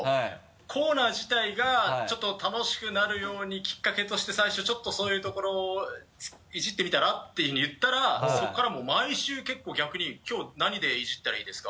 コーナー自体がちょっと楽しくなるようにきっかけとして最初ちょっとそういうところをイジってみたらっていうふうに言ったらそこから毎週結構逆にきょう何でイジったらいいですか？